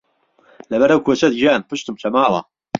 له بهر ئهو کۆچهت، گیان، پشتم چهماوه